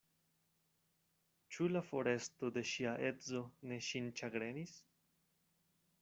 Ĉu la foresto de ŝia edzo ne ŝin ĉagrenis?